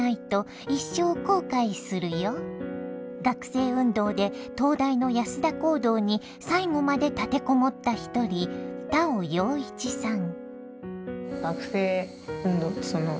学生運動で東大の安田講堂に最後まで立てこもった一人田尾陽一さん。